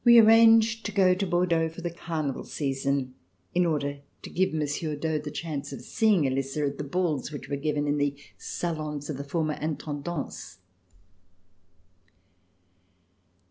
We arranged to go to Bordeaux for the Carnival season in order to give Monsieur d'Aux the chance of seeing Elisa at the balls which were given in the salons of the former Intendance.